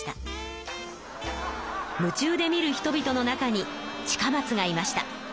夢中で見る人々の中に近松がいました。